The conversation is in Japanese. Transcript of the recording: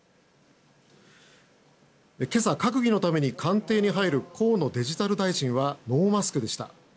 今朝、閣議のために官邸に入る河野デジタル大臣はノーマスクでした。